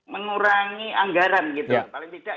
mengurangi anggaran gitu ya paling tidak